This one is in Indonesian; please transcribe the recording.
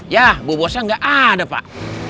ya bu bosnya gak ada pak